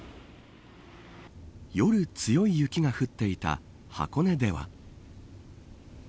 夜、強い雪が降っていた箱根では。